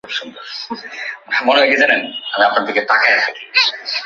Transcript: তার পুত্র প্রহ্লাদ তার সাথে সম্মত হয়নি।